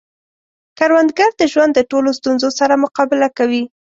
کروندګر د ژوند د ټولو ستونزو سره مقابله کوي